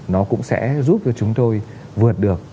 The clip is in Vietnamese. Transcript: nó cũng sẽ giúp cho chúng tôi vượt được